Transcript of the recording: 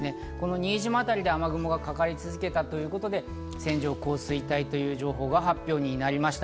新島あたりで雨雲がかかり続けたということで、線状降水帯という情報が発表になりました。